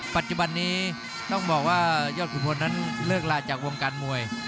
ปัจจุบันนี้ต้องบอกว่ายอดขุนพลนั้นเลิกลาจากวงการมวย